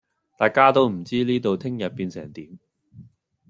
大家都唔知呢度聽日變成點